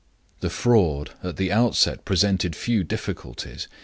The fraud at the outset presented few difficulties.